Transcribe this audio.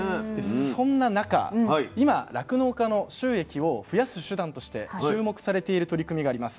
そんな中今酪農家の収益を増やす手段として注目されている取り組みがあります。